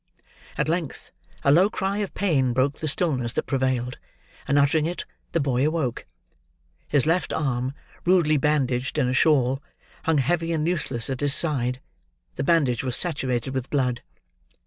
At length, a low cry of pain broke the stillness that prevailed; and uttering it, the boy awoke. His left arm, rudely bandaged in a shawl, hung heavy and useless at his side; the bandage was saturated with blood.